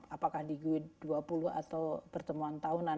apakah di g dua puluh atau pertemuan tahun